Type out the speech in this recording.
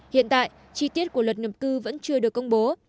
hiện tại chi tiết của luật nhập cư vẫn chưa được công bố